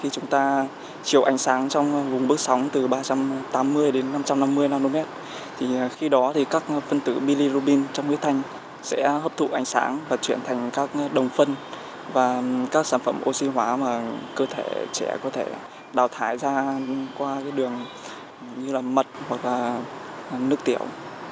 chúng ta chiều ánh sáng trong vùng bức sóng từ ba trăm tám mươi năm trăm năm mươi nm khi đó các phân tử bilirubin trong nguyên thanh sẽ hấp thụ ánh sáng và chuyển thành các đồng phân và các sản phẩm oxy hóa mà cơ thể trẻ có thể đào thái ra qua đường mật hoặc nước tiểu